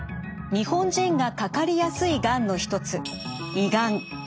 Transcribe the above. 日本人がかかりやすいがんの一つ胃がん。